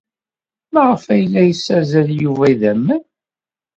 Maɣef ay la yessazzal Yuba idammen?